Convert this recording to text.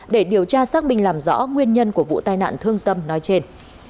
để điều tra xác minh làm rõ nguyên nhân của vụ tai nạn thương tâm nói trên